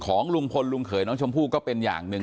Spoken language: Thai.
ของลุงพลลุงเขยน้องชมพู่ก็เป็นอย่างหนึ่ง